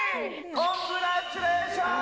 コングラッチュレーション！